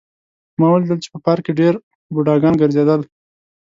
ما ولیدل چې په پارک کې ډېر بوډاګان ګرځېدل